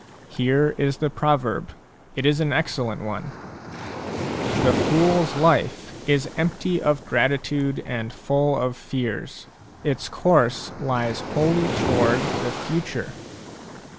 Here is the proverb ; it is an excel lent one :" The foors life is empty of gratitude and full of fears ; its course lies wholly toward the future."